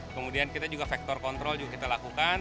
kemudian kita juga faktor kontrol juga kita lakukan